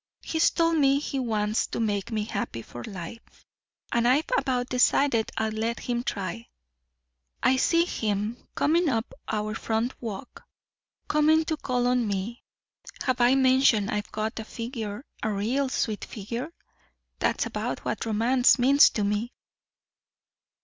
He's told me he wants to make me happy for life, and I've about decided I'll let him try. I see him coming up our front walk. Coming to call on me have I mentioned I've got a figure a real sweet figure? That's about what romance means to me."